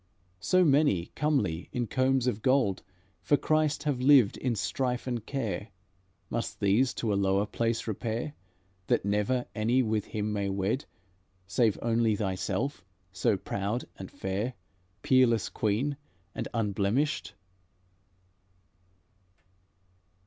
So many, comely in combs of gold, For Christ have lived in strife and care, Must these to a lower place repair, That never any with Him may wed, Save only thyself, so proud and fair, Peerless Queen, and unblemished?"